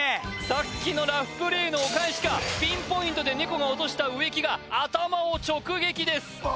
さっきのラフプレーのお返しかピンポイントで猫が落とした植木が頭を直撃です